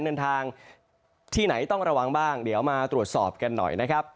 เดินทางที่ไหนต้องระวังบ้างเดี๋ยวมาตรวจสอบกันหน่อยนะครับ